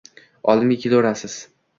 oldimga kelorasiz. z